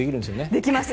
できます。